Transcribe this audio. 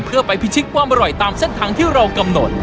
เพื่อไปพิชิตความอร่อยตามเส้นทางที่เรากำหนด